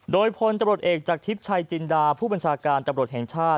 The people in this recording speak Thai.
โดยพลตำรวจเอกจากทิพย์ชัยจินดาผู้บัญชาการตำรวจแห่งชาติ